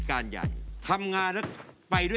คุณฟังผมแป๊บนึงนะครับ